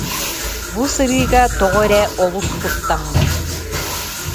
Бу сырыыга тоҕо эрэ олус куттаммыт